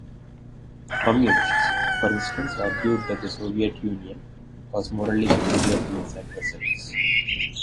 Communists, for instance, argued that the Soviet Union was morally superior to its adversaries.